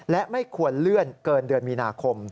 และไม่ควรเลื่อนเกินเดือนมีนาคม